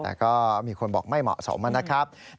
แต่ก็มีคนบอกไม่เหมาะสมนะครับ